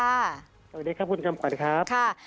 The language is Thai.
สวัสดีครับคุณคำกวันครับค่ะ